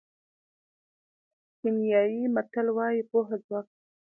کینیايي متل وایي پوهه ځواک دی.